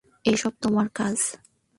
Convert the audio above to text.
এসব তোমার কাজ।